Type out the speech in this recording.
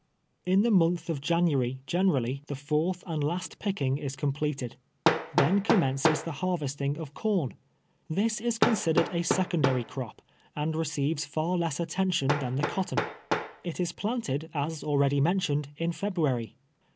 In the month of January, generally, the fourth and last picking is completed. Then commences the har vesting of corn. This is considered a secondary crop, and receives far less attention than the cotton. It is planted, as already mentioned, in February.